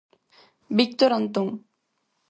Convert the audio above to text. Víctor Antón.